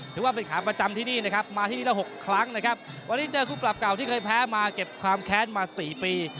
ถือว่าเป็นขาประจำที่นี่นะครับมาที่นี่ละ๖ครั้งนะครับวันนี้เจอคู่ปรับเก่าที่เคยแพ้มาเก็บความแค้นมา๔ปี